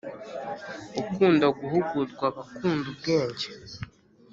ukunda guhugurwa aba akunda ubwenge,